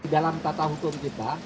dalam tata hukum kita